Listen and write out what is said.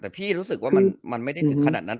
แต่พี่รู้สึกว่ามันไม่ได้ถึงขนาดนั้น